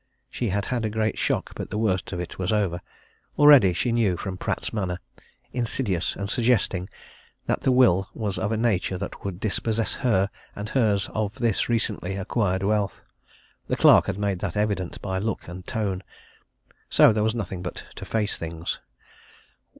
She had had a great shock, but the worst of it was over. Already she knew, from Pratt's manner, insidious and suggesting, that the will was of a nature that would dispossess her and hers of this recently acquired wealth the clerk had made that evident by look and tone. So there was nothing but to face things.